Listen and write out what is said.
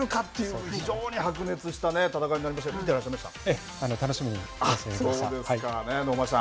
先場所はね大関同時昇進なるかという非常に白熱した戦いになりましたが見ていらっしゃいました。